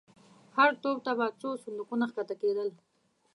هر توپ ته به څو صندوقونه کښته کېدل.